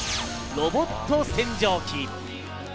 ロボット洗浄機。